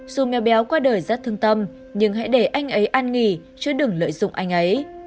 dù mẹ béo qua đời rất thương tâm nhưng hãy để anh ấy an nghỉ chứ đừng lợi dụng anh ấy